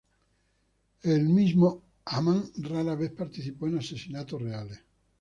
El mismo Hamann rara vez participó en asesinatos reales.